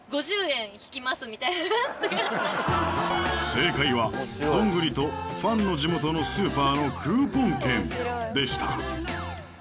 正解はどんぐりとファンの地元のスーパーのクーポン券でした